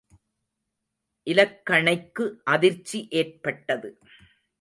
இலக்கணைக்கு அதிர்ச்சி ஏற்பட்டது.